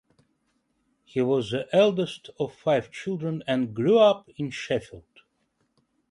He was the eldest of five children and grew up in Sheffield.